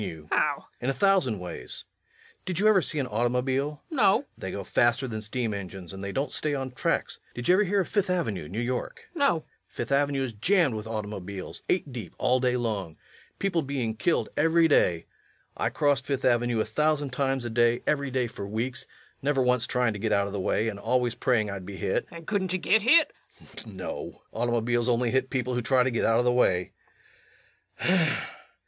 LUKE. How? REVENUE. In a thousand ways.... Did you ever see an automobile? LUKE. No. REVENUE. They go faster than steam engines, and they don't stay on tracks. Did you ever hear of Fifth Avenue, New York? LUKE. No. REVENUE. Fifth Avenue is jammed with automobiles, eight deep all day long. People being killed every day. I crossed Fifth Avenue a thousand times a day, every day for weeks, never once trying to get out of the way, and always praying I'd be hit. LUKE. And couldn't yu git hit? REVENUE. [In disgust.] No. Automobiles only hit people who try to get out of the way.